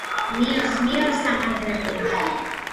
მიორს მიორს სამარგალო